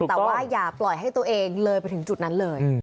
แต่ว่าอย่าปล่อยให้ตัวเองเลยไปถึงจุดนั้นเลย